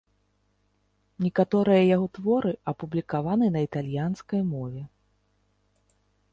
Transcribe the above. Некаторыя яго творы апублікаваны на італьянскай мове.